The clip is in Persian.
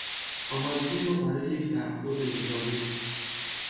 آمادگی ما برای یک برخورد نظامی